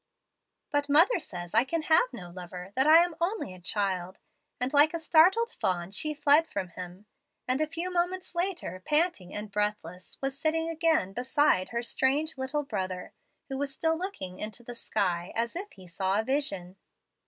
But mother says I can have no lover, that I am only a child'; and like a startled fawn she fled from him, and, a few moments later, panting and breathless, was sitting again beside her strange little brother, who was still looking into the sky as if he saw a vision.